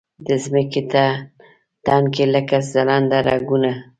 د مځکې تن کې لکه ځلنده رګونه